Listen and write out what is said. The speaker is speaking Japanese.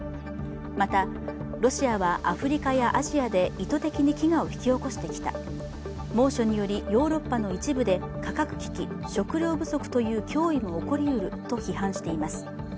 また、ロシアはアフリカやアジアで意図的に飢餓を引き起こしてきた、猛暑によりヨーロッパの一部で価格危機、食糧不足という脅威も起こりうると批判しています。